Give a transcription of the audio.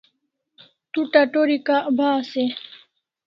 Tu tatori karik bahas e?